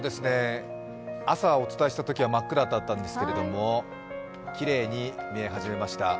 朝お伝えしたときは真っ暗だったんですけれどもきれいに見え始めました。